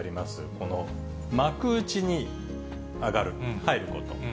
この幕内に上がる、入ること。